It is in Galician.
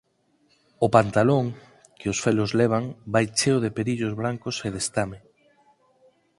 O pantalón que os felos levan vai cheo de perillos brancos e de estame.